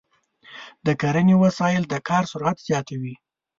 د کرنې وسایل د کار سرعت زیاتوي.